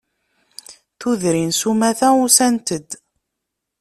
Tudrin s umata usant-d.